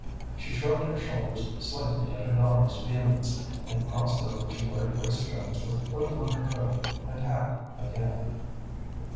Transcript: She shrugged her shoulders slightly at her daughter's vehemence, and crossed over to where Grace Jones was putting on her coat and hat again.